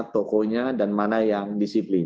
tokonya dan mana yang disiplin